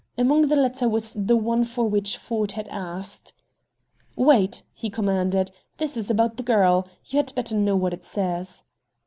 Among the latter was the one for which Ford had asked. "Wait," he commanded. "This is about the girl. You had better know what it says."